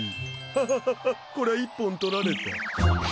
ハハハこりゃ一本取られた。